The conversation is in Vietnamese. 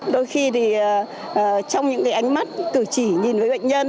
đôi khi thì trong những cái ánh mắt cử chỉ nhìn với bệnh nhân